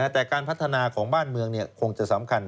แต่การพัฒนาของบ้านเมืองคงจะสำคัญ